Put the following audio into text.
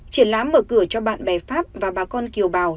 triển lãm mở cửa cho bạn bè pháp và bà con kiều bào